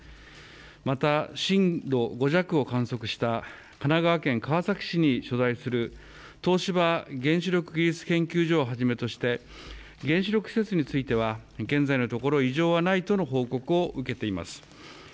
また、震度５弱を観測した神奈川県川崎市に所在する東芝原子力現象研究所をはじめとして原子力施設については現在のところ異常はないとの報告を受けています。